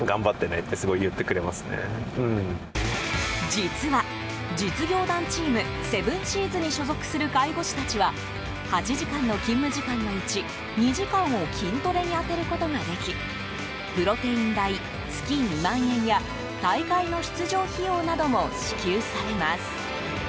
実は実業団チーム、セブンシーズに所属する介護士たちは８時間の勤務時間のうち２時間を筋トレに充てることができプロテイン代、月２万円や大会の出場費用なども支給されます。